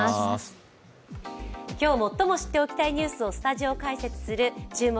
今日、最も知っておきたいニュースをスタジオ解説する「注目！